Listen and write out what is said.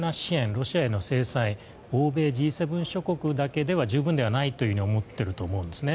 ロシアへの制裁欧米、Ｇ７諸国だけでは十分ではないというふうに思っていると思うんですね。